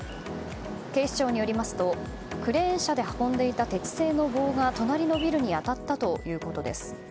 警視庁によりますとクレーン車で運んでいた鉄製の棒が隣のビルに当たったということです。